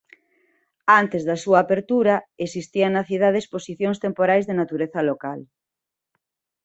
Antes da súa apertura existían na cidade exposicións temporais de natureza local.